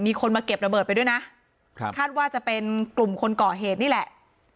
มีคนมาเก็บระเบิดไปด้วยนะครับคาดว่าจะเป็นกลุ่มคนก่อเหตุนี่แหละ